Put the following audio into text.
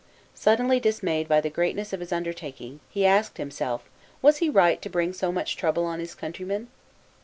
Suddenly dismayed by the greatness of his under taking, he asked himself, was he right to bring so much trouble on his countrymen?